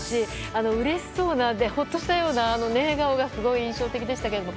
うれしそうなほっとしたような笑顔がすごい印象的でしたけれども。